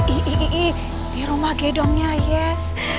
ini rumah gedongnya yes